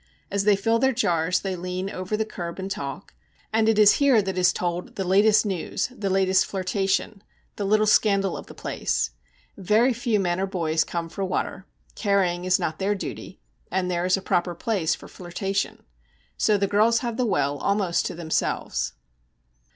As they fill their jars they lean over the curb and talk, and it is here that is told the latest news, the latest flirtation, the little scandal of the place. Very few men or boys come for water; carrying is not their duty, and there is a proper place for flirtation. So the girls have the well almost to themselves.